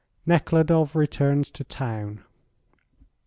NEKHLUDOFF RETURNS TO TOWN.